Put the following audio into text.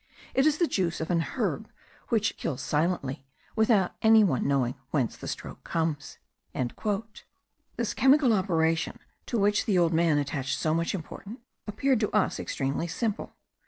It is the juice of an herb which kills silently, without any one knowing whence the stroke comes." This chemical operation, to which the old man attached so much importance, appeared to us extremely simple.